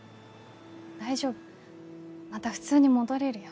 大丈夫また普通に戻れるよ。